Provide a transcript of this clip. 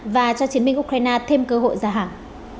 và cho chiến binh ukraine thêm cơ hội ra hàng